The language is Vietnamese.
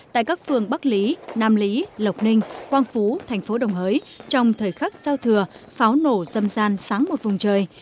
tại các phường bắc lý nam lý lộc ninh quang phú thành phố đồng hới trong thời khắc giao thừa pháo nổ dâm gian sáng một vùng trời